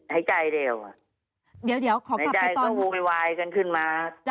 หายใจก็วูบลวายกันขึ้นมา